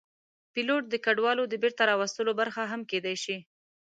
پیلوټ د کډوالو د بېرته راوستلو برخه هم کېدی شي.